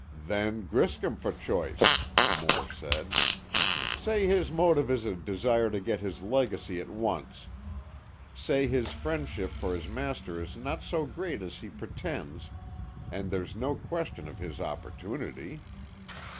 "Then Griscom for choice," Moore said. "Say his motive is a desire to get his legacy at once. Say his friendship for his master is not so great as he pretends, and there's no question of his opportunity.